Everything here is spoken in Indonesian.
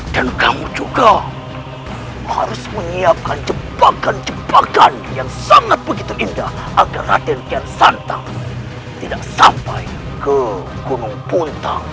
dan kamu juga harus menyiapkan jebakan jebakan yang sangat begitu indah agar raden kiansantang tidak sampai ke gunung puntang